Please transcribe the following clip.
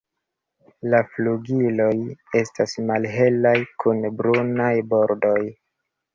La flugiloj estas malhelaj kun brunaj bordoj.